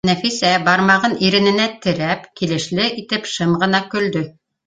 Нәфисә, бармағын ирененә терәп, килешле итеп шым гына көлдө